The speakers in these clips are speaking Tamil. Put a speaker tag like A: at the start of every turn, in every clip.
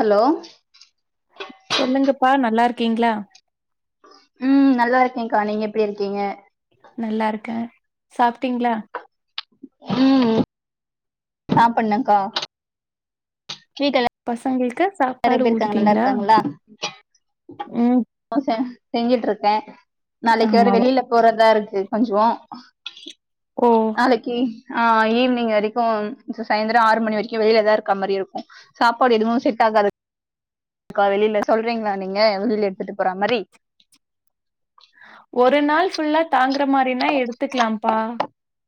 A: ஹாலோ
B: சொல்லுங்கப்பா நல்லா இருக்கீங்களா
A: ம் நல்லா இருக்கேங்க்கா நீங்க எப்பிடி இருக்கீங்க
B: நல்லா இருக்கே சாப்ட்டீங்களா
A: ம் சாப்பன்னுக்கா ஸ்விட் எல்லார்
B: பசங்களுக்கு சாப்பாடு ஊட்டிட்டீங்களா
A: இருக்காங்களா
B: ம்
A: [unintelligible] செஞ்சுட்டு இருக்கேன் நாளைக்கு வேற
B: ஆமாவா
A: வெளியில போறதா இருக்கு கொஞ்சோ
B: ஓ
A: நாளைக்கி ஆஹ் ஈவ்னிங் வரைக்கு சாயந்திரம் ஆறு மணி வரைக்கு வெளியில தா இருக்குறா மாரி இருக்கு சாப்பாடு எதுவு வ்செட் ஆகாது க்கா வெளியில சொல்றீங்களா நீங்க வெளியில எடுத்துட்டு போறா மாதிரி
B: ஒரு நாள் ஃபுல்லா தாங்குற மாரின்னா எடுத்துக்கலாம்ப்பா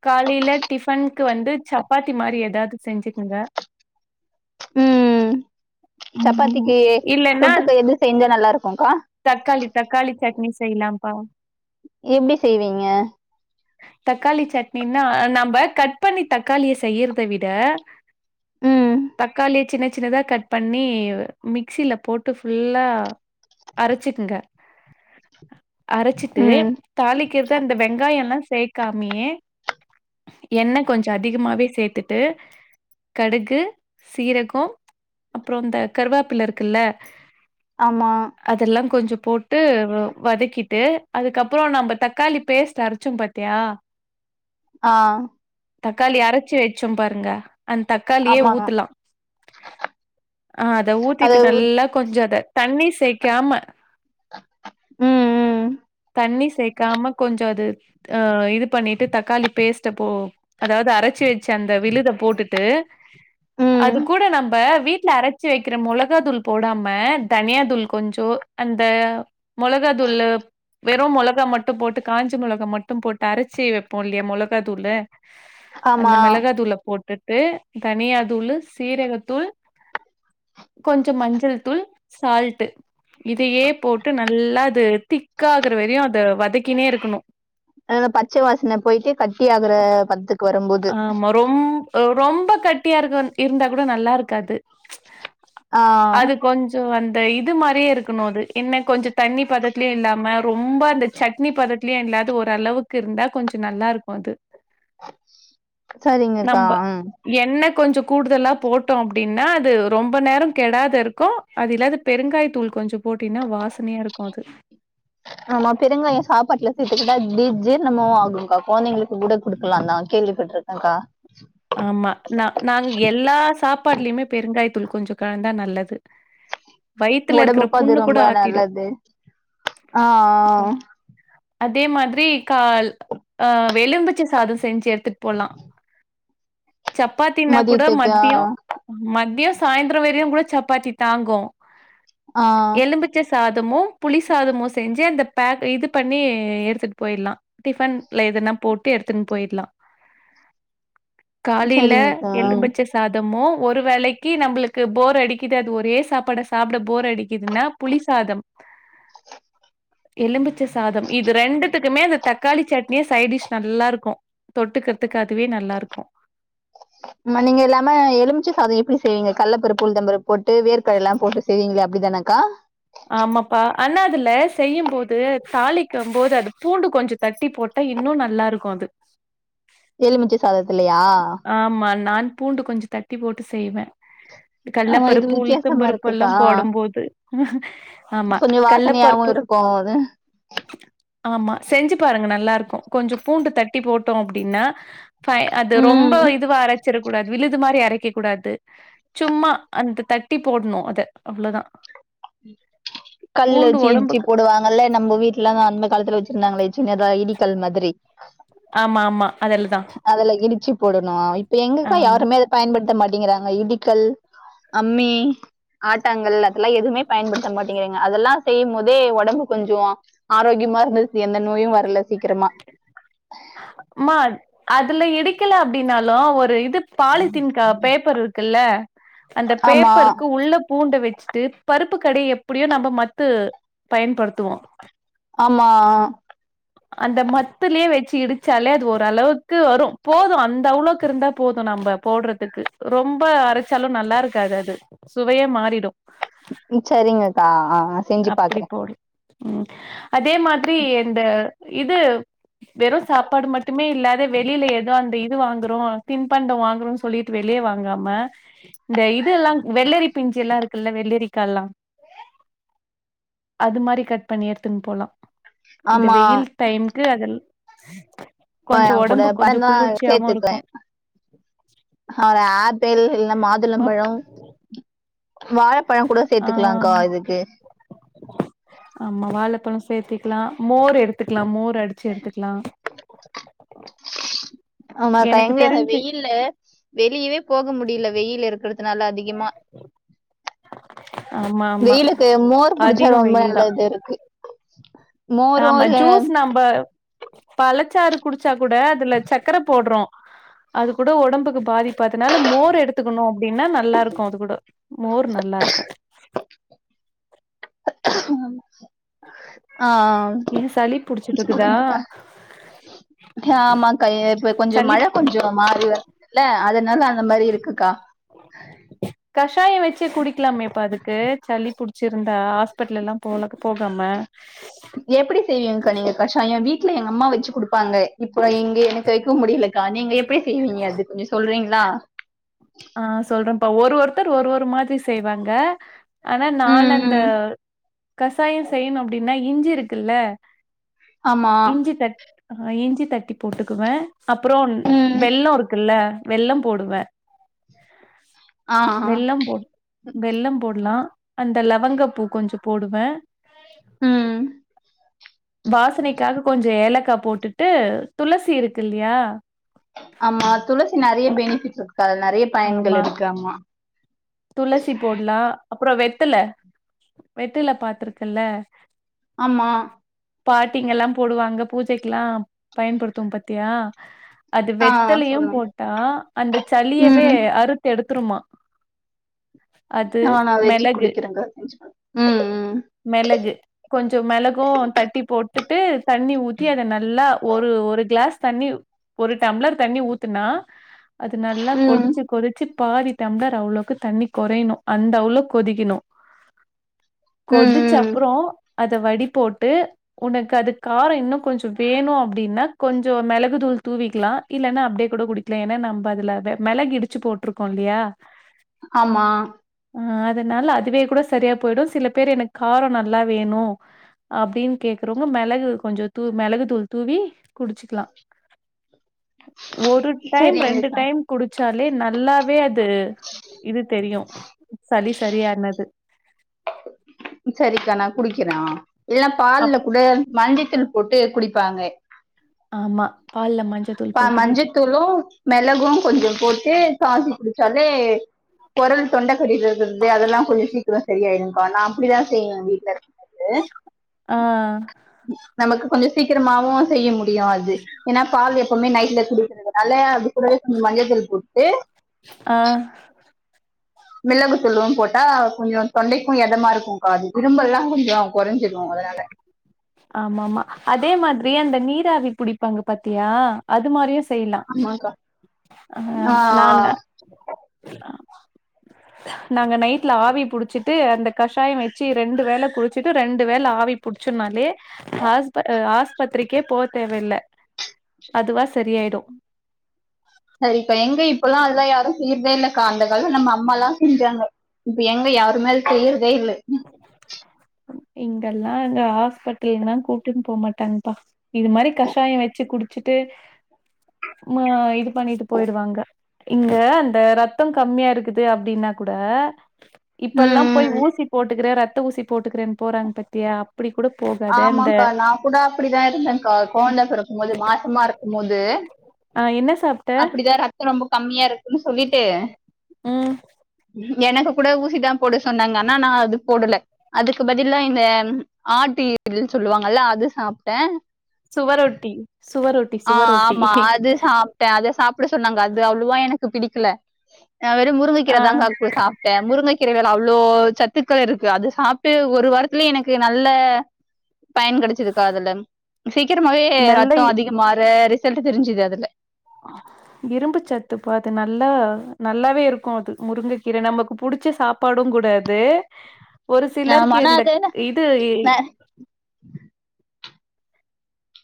B: காலேயில டிஃபனுக் வந்து சாப்பாதாதி மாரி எதாவுது செச்சுக்கோ
A: ம்
B: ம்
A: சப்பாத்திக்கு
B: இல்லன்னா
A: தொட்டுக்க எது செஞ்சா நல்லா இருக்கும்க்கா
B: தக்காளி தக்காளி சட்னி செய்யலாம்ப்பா
A: எப்டி செய்வீங்க
B: தக்காளி சட்னின்னா நம்ப கட் பண்ணி தக்காளிய செய்யிறத விட
A: ம்
B: தக்காளி சின்னச் சின்னதா கட் பண்ணி மிக்சியில போட்டு ஃபுல்லா அரச்சுக்குங்க அரச்சிட்டு
A: ம்
B: தாளிக்கிறது அந்த வெங்காயொன்னா சேர்க்காமேயே எண்ணெ கொஞ்சோ அதிகமாவே சேத்துட்டு கடுகு சீரகம் அப்புறோ இந்த கருவாப்பில இருக்குல்ல
A: ஆமா
B: அதெல்லா கொஞ்சோ போட்டு வதக்கிட்டு அதுக்கப்புறோ நம்ப தக்காளி பேஸ்ட் அரச்சோம் பாத் யா
A: ஆ
B: தக்காளி அரச்சி வெச்சோ பாருங்க அந்த் தக்காளியே
A: ஆமாங்க
B: ஊத்துலா ஆ அத ஊத்திட்டு நல்லா கொஞ்சோ அத தண்ணி சேக்காம
A: ம் ம்
B: தண்ணி சேக்காம கொஞ்சோ அது ஆ இது பண்ணிட்டு தக்காளி பேஸ்ட்ட போ அதாவுது அரச்சு வச்ச அந்த விழுதப் போட்டுட்டு
A: ம்
B: அது கூட நம்ப வீட்ல அரச் ச்சி வக்கிற மொளகாத்தூள் போடாம தனியாதூள் கொஞ்சோ அந்த மொளகாத்தூளு வெறு மொளகா மட்டு போட்டு காஞ்ச மொளகா மட் ட்டும் போட்டு அரைச்சி வப்போ இல்லையா மொளகாத்தூளு
A: ஆமா
B: அந்த மெளகாத்தூளப் போட் விட்டு தனியா தூளு சீரகத்தூள் கொஞ்சோ மஞ்சள் தூள் சால்ட்டு இதையே போட்டு நல்லா அது திக் ஆகுற வரையு அத வதக்கினே இருக்கணு
A: அது பச்ச வாசன போயிட்டு கட்டி ஆகுற பதத்துக்கு வருபோது
B: ஆமா. ரொம் அ ரொம்ப கட்டியா இருக்க இருந்தாக் கூட நல்லா இருக்காது
A: ஆ
B: அது கொஞ் சோ அந்த இது மாரியே இருக்கணு அது என்ன கொஞ்சோம் தண்ணி பதத்துலயு இல்லாம ரொம்ப அந்த சட்னி பதத்துலயு இல்லாது ஓரளவுக்கு இருந்தா கொஞ்சோ நல்லா இருக்கும் அது
A: சரிங்கக்கா அ அஹ்
B: எண்ண கொஞ்சோ கூடுதலா போட்டோ அப்டின்னா அது ரொம்ப நேரம் கெடாது இருக்கு அது இல்லது பெருங்காய் தூள் கொஞ்சோ போட்டினா வாசனையா இருக்கு அது
A: ஆமா பெருங்காயம சாப்பாட்டுல சேர்த்துக்கிட்டா ஜீர்ணமும் ஆகும்கா குழந்தைங்களுக்கு கூட கொடுக்கலாம் தான் கேள்விப்பட்டிருக்கு அங்கா
B: ஆமா நா நாங்க எல்லா சாப்பாடுலியுமே பெருங்காயத் தூள் கொஞ்சோ கலந்தா நல்லது வயித்துல இருக்கிற
A: ஒடம்புக்கு அது
B: புண்ணு கூட
A: ரொம்ப
B: ஆத்திடு
A: நல்லது ஆ ஆ
B: அதே மாதிரி கால் ஆ எலும்பிச்ச சாதோ செஞ்சி எடுத்துட்டு போலா சப்பாத்தினா கூட
A: மதியத்துக்கு ஆ
B: மத்தியோ மதியோ சாய்ந்திரோ வரையு கூட சப்பாத்தி தாங்கு
A: ஆ
B: எலும்பி பிச்ச சாதமு புளி சாதமு செஞ்சி அந்த பேக் இது பண்ணி எடுத்துட்டு போயிடுலா டிஃபன்ல எதுனா போட்டு எடுத்துன்னு போயிடலா காலில
A: சரிங்கக்கா
B: எலும்பிச்ச
A: ம்
B: சாதமோ ஒரு வேளைக்கு நம்பளுக்கு போர் அடிக்குது அது ஒரே சாப்பாட சாப்புட போர் அடிக்குதின்னா புளிசாதம் எலும்பிச்ச சாதம் இது ரெண்டுத்துக்குமே அந்த தக்காளி சட்னியே சைட் டிஷ் நல்லா இருக்கு தொட்டுக்கிறதுக்கு அதுவே நல்லா இருக்கு
A: மா நீங்க இல்லாம எலுமிச்ச சாதம் எப்புடி செய்வீங்க கல்லபருப்பு உளுந்தம் பருப் போட்டு வேர்கடலா போட்டு செய்வீங்களே அப்டிதானக்கா
B: ஆமாப்பா ஆனா அதுல செய்யும்போது தாளிக்கும் போது அது பூண்டு கொஞ்சோ தட்டி போட்டு இப்ப இன்னு நல்லா இருக்கு அது
A: எலுமிச்ச சாதத்துலயா
B: ஆமா நான் பூண்டு கொஞ்சோ தட்டி போட்டு செய்வே
A: ஆமா இது
B: கல்லபருப்பு உளுத்தம்
A: வித்தியாசமா
B: பருப்புலா
A: இருக்குக்கா
B: போடும்போது ஆமா கல்லபருப்பு
A: போவாது
B: ஆமா செஞ்சு பாருங்க நல்லா இருக்கு கொஞ்ச பூண்டு தட்டி போட்டோ அப்டின்னா ஃப அது ரொம்ப
A: ம்
B: இதுவா அரைச்சிட கூடாது விழுதுமா மாரி அரைக்கக் கூடாது சும்மா அத தட்டி போடுணு அத அவ்ளதா
A: கல் வச்சி இடிச்சு
B: ஒடம்புக்கு
A: போடுவாங்கல்ல நம்ம வீட்டுலலா அந்த காலத்துல வச்சி இல்லங்கலா சின்னதா இடிக்கல் மாதிரி
B: ஆமா ஆமா அதெல்லதா
A: அதுல இடிச்சு போடணு இப்ப எங்கக்கா
B: ஆமா
A: யாருமே பயன்படுத்த மாட்டேங்கிறாங்க இடிக்கல் அம்மி ஆட்டாங்கள் அதெல்லா எதுமே பயன்படுத்த மாட்டேங்கறீங்க அதெல்லா செய்யும் போதே ஒடம்பு கொஞ்சோ ஆரோக்கியமா இருந்துச்சு எந்த நோயு வர்ல சீக்கிரமா
B: மா அதுல இடிக்கல அப்டின்னாலு ஒரு இது பாலித்தீன் க பேப்பர் இருக்குல்ல அந்த
A: ஆமா
B: பேப்பருக்கு உள்ள பூண்ட வெச்சுட்டு பருப்பு கடைய எப்பிடியு நம்ம மத்து பயன்படுத்துவோ
A: ஆமா
B: அந்த மத்துலயே வெச்சு ட்டு இடிச்சாலே அது ஓரளவுக்கு வரு போது அந்த அவ்ளோவுக்கு இருந்தா போது நம்ம போட்றதுக்கு ரொம்ப அரச்சாலு நல்லா இருக்காது அது சுவையே மாறிடு
A: ம் சரிங்கக்கா ஆ ஆ
B: அப்டி போடு ம் அதே மாதிரி இந்த இது வெறு சாப்பாடு மட்டுமே இல்லாது வெளியில ஏதோ அந்த இது வாங்குறோ தின்பண்டோ வாங்குறோ சொல்லிட்டு வெளிய வாங்காம இந்த இதுல்லா வெள்ளரி பிஞ்சில்லா இருக்குல்ல வெள்ளரிக்கால்லா அது மாரி கட் பண்ணி எடுத்துன்னு போலா இந்த
A: ஆமா
B: வெயில் டைம்கு அது
A: ஆ கூட [unintelligible] சேத்துபே அர ஆப்பிள் இல்ல
B: மப்
A: மாதுளம்பழோ வாழ பழோ கூட
B: ஆ
A: சேத்துக்குலாங்கா இதுக்கு
B: ஆமா வாழப்பழோ சேத்துக்லா மோர் எடுத்துக்குலா மோர் அடிச்சு எடுத்துக்குலா
A: ஆமாக்கா
B: எனக்கு
A: எங்கியு
B: தெரிஞ்சு
A: வெயில்ல வெளியவே போக முடியில வெயில் இருக்றதுனால அதிகமா
B: ஆமா ஆமா
A: வெயிலுக்கு மோர் குடிச்சா
B: அதிக
A: ரொம்ப
B: வெயில் தா
A: நல்லது இருக்கு [inaudible]
B: ஆமா
A: இல்ல
B: ஜூஸ் நம்ப பழச்சாறு குடிச்சா கூட அதுல சக்கர போட்றோ அது கூட ஒடம்புக்கு பாதிப் இப்ப அதுனால மோர் எடுத்துக்கணு அப்டின்னா நல்லா இருக்கு அது கூட மோர் நல்லா இருக்கு
A: ஆ
B: ஏ சளி புடிச்சிட்டு இருக்குதா
A: ஆமாக்கா இப்ப கொஞ்சோ
B: சளி
A: மழ கொஞ்சோ மாறி வருதுல்ல அதனால அந்த மாரி இருக்குக்கா
B: கஷாயம் வெச்சு குடிக்கலாமேப்பா அதுக்கு சளி புடிச் சிருந்தா ஹாஸ்பிடல் எல்லா போலக்கு போகாம
A: எப்டி செய்வீங்கக்கா நீங்க கஷாயோ வீட்ல எங்க அம்மா வெச்சு குடுப்பாங்க இப்ப இங்க எனக்கு வைக்க முடியல கா நீங்க எப்டி செய்வீங்க அது கொஞ்சோ சொல்றீங்களா
B: ஆ சொல்றேப்பா ஒரு ஒருத்தர் ஒரு ஒரு மாரி செய்வாங்க ஆனா நான் அந்த
A: ம்
B: கசாய செய்யணு அப்டின்னா இஞ்சி இருக்குல்ல
A: ஆமா
B: இஞ்சி தட் இஞ்சி தட்டி போட்டுக்குவே அப்றோ
A: ம்
B: வெள்ளோ இருக்குல்ல வெள்ளோ போடுவே
A: ஆ ஆ
B: வெள்ளம் போட் வெள்ளம் போட்லா அந்த லவங்கப்பூ கொஞ்சோ போடுவே
A: ம்
B: வாசனைக்காக கொஞ்சோ ஏலக்கா போட்டுட்டு துளசி இருக்கு இல்லயா
A: ஆமா துளசி நெறைய பெனிபிட் இருக்குக்கா அதுல நெறைய பயன்கள்
B: ஆமா.
A: இருக்கு ஆமா
B: துளசி போட்லா அப்றோ வெத்தல வெத்தல பாத்துருக்கல்ல
A: ஆமா
B: பாட்டிங்கல்லா போடுவாங்க பூஜைக்கெல்லா பயன்படுத்து பாத்தியா அது
A: ஆ
B: வெத்தலையு
A: சொல்லுங்க
B: போட்டா அந்த சளியவே
A: ம்
B: அறுத்து எடுத்துருமா
A: ஆ நா வெச்சு
B: மிளகு
A: குடிக்கிறேஙக
B: மெளகு கொஞ்சோ மெளகு தட்டி போட்டுட்டு தண்ணி ஊத்தி அத நல்லா ஒரு ஒரு கிளாஸ் தண்ணி ஒரு டம்ளர் தண்ணி ஊத்துனா அது நல்லா
A: ம் ம்
B: கொதிச்சு கொதிச்சு பாதி டம்ளர் அவ்ளக்கு தண்ணி கொறையணு அந்த அவ்ளோ கொதிக்கணு கொதிச்ச
A: ம்
B: அப்றோ அத வடி போட்டு உனக்கு அது காரோ இன்னு கொஞ்சம் வேணு அப்படின்னா கொஞ்சோ மிளகுதூள் தூவிக்லா இல்லன்னா அப்டே கூட குடிக்கலா ஏன்னா நம்ப அதுல மெளகு இடிச்சு போட்டிருக்கோ இல்லையா
A: ஆமா
B: அ அதனால அதுவே கூட சரியா போயிடு சில பேர் எனக்கு காரோ நல்லா வேணு அப்டின்னு கேக்குறவங்க மெளகு கொஞ்சோ தூ மெளகு தூள் தூவி குடிச்சிக்லா ஒரு டைம் ரெண்டு
A: சரிங்கக்கா
B: டைம் குடிச்சாலே நல்லாவே அது இது தெரியு சளி சரியானது
A: சரிக்கா நா குடிக்கிறே இல்ன்னா பால்ல
B: அப்
A: கூட மஞ்சதூள் போட்டு குடிப்பாங்க
B: ஆமா பால் லா மட்
A: மஞ்சத்தூளு மெளகு கொஞ்சோ போட்டு காட்சி குடிச்சாலே கொரல் தொண்ட சளி கட்டட்டு இருக்கிறது அதெல்லா கொஞ்சோ சீக்கிரம் செரிய ஆயிருக்கா நா அப்டிதா செய்யவே வீட்ல து
B: ஆ
A: நமக்கு கொஞ்சம் சீக்கிரமாவு செய்ய முடியு அது ஏன்னா பால் எ இனிமே நைட்ல குடிக்கதுனால அது கூடவே கொஞ்சோ மஞ்சள்தூள் போட்டு
B: ஆ
A: மிளகுத்தூல்லு போட்டா கொஞ்சோ தொண்டைக்கு எதமா இருக்கும் கா இருமல்லா கொஞ்சோ கொறைஞ்சிடு அதனால
B: ஆமா ஆமா அதே மாதிரி அந்த நீராவி புடிப்பாங்க பாத்தியா அது மாரியு செய்யலா
A: ஆமாக்கா
B: ஆ நால்ல ஆ நாங்க நைட்ல ஆவி பிடிச்சிட்டு அந்த கஷாயம் வச்சு ரெண்டு வேல குடிச்சிட்டு ரெண்டு வேல ஆவி பிடிச்சோனாலே ஹாஸ்பட்ட ஆஸ்பத்திரிக்கே போ தேவல்ல அதுவா சரியாயிடு
A: சரிப்ப எங்க இப்ப எல்லா அதுலா யாரு செய்யறதே இல்லக்கா அந்த காலத்துல்லே நம்ம அம்மாலா செஞ்சாங்க எங்க யாருமே அத செயறதே இல்ல
B: இங்கெல்லா அந்த ஹாஸ்பிட்டல்லா கூட்டின்னு போகமாட்டான்ங்ப்பா இது மாதிரி கஷாய வச்சு குடிச்சுட்டு ஆ இது பண்ணிட்டு போயிடுவாங்க இங்க அந்த ரத்தம் கம்மியா இருக்குது அப்டின்னா கூட இப்ப எல்லா போய்
A: ம்
B: ஊசி போட்டுக்கிறே ரத்த ஊசி போட்டுக்கிறேன்னு போறாங்க பாத்தியா அப்படி கூட போக
A: ஆமாக்கா நா கூட அப்படிதா இருந்தேன்கா கோழந்தா பெறக்கு போது மாசமா இருக்கும்போது
B: அ என்ன சாப்ட்ட
A: த்தோ ரொம்ப கம்மியா இருக்குன்னு சொல்லிட்டு
B: ம்
A: ம் எனக்கு கூட ஊசிதா போட சொன்னாங்க ஆனா நா அது போடல அதுக்கு பதிலா இந்த ஆட்டு ஈரல் சொல்லுவாங்கல்ல அது சாப்ட்டே
B: சுவரொட்டி சுவரொட்
A: ஆ ஆமா அது சாப் டே அத சாப்பிட சொன்னாங்க அது அவ்ளோவா எனக்கு பிடிக்கல வெறு
B: ஆ
A: முருங்கைக்கிறதா கா சாப் டே முருங்க கீரைல அவ்ளோ சத்துக்கள் இருக்கு அது சாப்ட்டு ஒரு வாரத்துலயே எனக்கு நல்ல பயன் கிடைச்சதுக்கா அதுல சீக்கிரமாவே
B: நல்ல
A: ரத்தோ அதிகமாற ரிசல்ட் தெரிஞ்சுது அதுல
B: ஆ இரும்பு சத்துப்பா அது நல்லா நல்லாவே இருக்கு அது முருங்க கீர நமக்கு புடிச்ச சாப் பாடு கூடாது ஒரு
A: ஆஹ்
B: சிலருக்கு
A: மன
B: இந்த
A: அதை
B: இது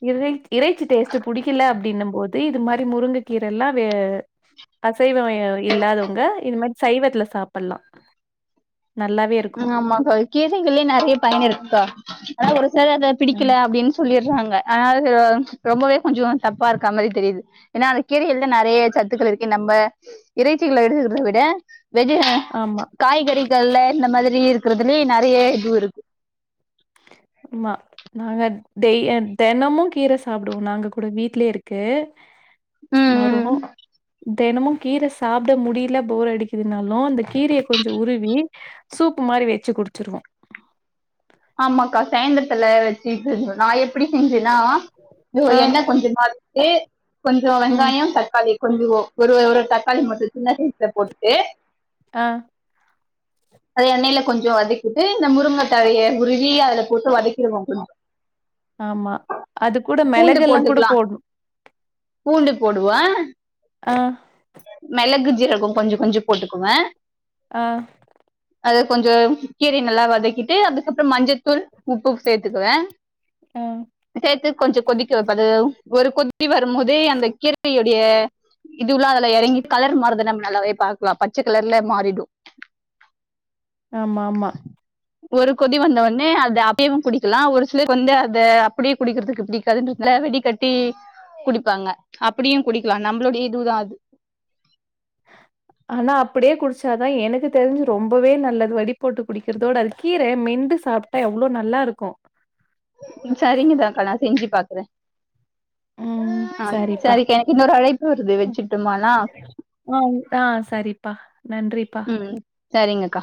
B: இறை இறைச்சி டேஸ்ட்ட் புடிக்கல அப்டின்னு போது இது மாதிரி முருங்க கீரல்லா வே அசைவ இல்லாதவங்க இது மாரி சைவத்துல சாப்புல்லா
A: ஆமாக்கா கீசைகள்யே நெறைய பயன் இருக்குக்கா ஆனா ஒரு சிலரு அத பிடிக்கல
B: ம்
A: அப்டின்னு சொல்லிறாங்க ஆனா அது ரொம்பவே கொஞ்ச தப்பா இருக்கா மாரி தெரியுது ஏன்னா அந்த கீரைகல்ல நெறைய சத்துக்கள் இருக்கு நம்ம இறைச்சிகள எடுத்துக்கிறத விட வெஜ்
B: ஆமா
A: காய்கறிகள்ல இந்த மாதிரி இருக்கிறதுலயே நெறைய இது இருக்கு
B: ஆமா நாங்க டெய் தெனமு கீர சாப்புடுவோ நாங்க கூட வீட்லயே ருக்கு
A: ம்
B: மருவொ
A: ம்
B: தெனமு கீர சாப்ட முடியல போர் அடிக்குதுனாலு அந்த கீரய கொஞ்ச உருவி சூப்பு மாரி வச்சு குடிச்சிருவோ
A: ஆமாக்கா சாய்ந்தரத்துல வச்சுட்டு நாயேப் பிடிச்சிருஞ்சுன்னா
B: ஆ
A: எண்ணெ கொஞ்சமாட்டு கொஞ்ச
B: ம்
A: வெங்காயொ தக்காளி கொஞ்ச ஒரு ஒரு தக்காளி மட்டு சின்ன சைஸ்ல போட்டு
B: அ
A: அத எண்ணெயில கொஞ்ச வதக்கிட்டு இந்த முருங்க தலய உருவி அதுல போட்டு வதக்கிடுவோ கொஞ்ச
B: ஆமா அது கூட
A: பூண்டு
B: மெளகெல்லா கூட
A: போட்டுக்கலாம்
B: போடணு
A: பூண்டு போடுவ
B: ஆ
A: மெளகு ஜிரகோ கொஞ்சம் கொஞ்சம் போட்டுக்குவே
B: ஆ
A: அத கொஞ்சோ கீரைய நல்லா வதக்கிட்டு அதுக்கப்புறோ மஞ்சத்தூள் உப்பு சேர்த்துக்குவே
B: ஆ
A: சேத்து கொஞ்சம் கொதிக்க வைப்பது அது ஒரு கொது கொதி வரு போது அந்த கீரவையுடைய இதுல்லா அல எறங்கி கலர் மார்றது நம்ம நல்லாவே பாக்லா பச்ச கலர்ல மாறிடு
B: ஆமா மா
A: ஒரு கொதி வந்தவொன்னே அது அப்டியு குடிக்கலா ஒரு சிலர் வந்து அத அப்டியே குடிக்கறதுக்கு பிடிக்காதுன்றதுனால வடி கட்டி குடிப்பாங்க அப்படியு குடிக்கலா நம்மளுடைய இதுதா அது
B: ஆனா அப்படியே குடிச்சாதா எனக்கு தெரிஞ்சு ரொம்பவே நல்லது வடி போட்டு குடிக்கிறதவிட அது கீர மெண்டு சாப் எவ்ளோ நல்லாருக்கு
A: சரிங்கதாக்கா நா செஞ்சு பாக்குற
B: ம்
A: ஆ
B: சரிப்பா
A: சரிக எனக்கு இன்னொரு அழைப்பு வருது வச்சுட்டுமானா
B: ஆ அ சரிப்பா நன்றிப்பா
A: ம் சரிங்கக்கா